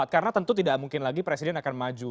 karena tentu tidak mungkin lagi presiden akan maju